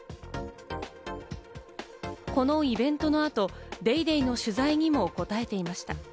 このイベントの後、『ＤａｙＤａｙ．』の取材にも答えていました。